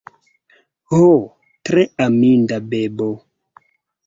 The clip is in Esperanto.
Ho, tre aminda bebo!